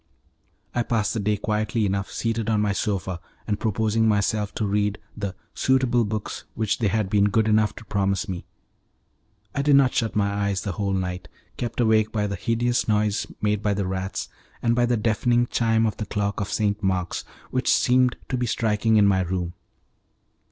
I passed the day quietly enough seated on my sofa, and proposing myself to read the "suitable books" which they had been good enough to promise me. I did not shut my eyes the whole night, kept awake by the hideous noise made by the rats, and by the deafening chime of the clock of St. Mark's, which seemed to be striking in my room.